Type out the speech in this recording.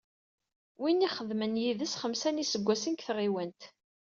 Win i ixedmen yid-s xemsa n yiseggasen deg tɣiwant.